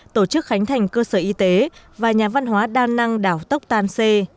tổ chức khánh thành cơ sở y tế và nhà văn hóa đa năng đảo tóc tàn xê